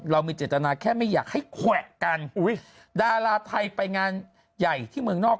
เรามีเจตนาแค่ไม่อยากให้แขวะกันอุ้ยดาราไทยไปงานใหญ่ที่เมืองนอก